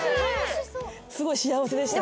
すごい幸せでしたね。